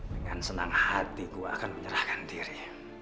dengan senang hati gue akan menyerahkan diri